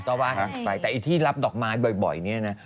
ต่อไปแต่ที่รับดอกม้าบ่อยเนี่ยนะ